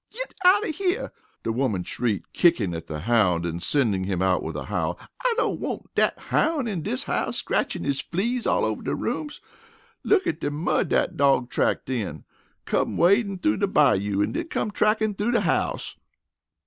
"Git out o' here!" the woman shrieked, kicking at the hound and sending him out with a howl. "I don't want dat houn' in dis house scratchin' his fleas all over de rooms. Look at de mud dat dawg tracked in. Come wadin' through de bayou an' den come trackin' through de house!"